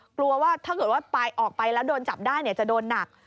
กลัวว่าถ้าเกิดว่าไปออกไปแล้วโดนจับได้จะโดนหนัก